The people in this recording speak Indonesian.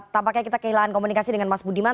tampaknya kita kehilangan komunikasi dengan mas budiman